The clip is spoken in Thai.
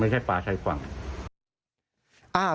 ไม่ใช่ปลาชัยกว่าง